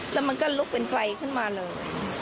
แล้วมันก็ลุกเป็นไฟขึ้นมาเลย